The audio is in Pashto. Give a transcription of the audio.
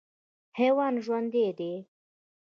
حیوان ژوندی دی.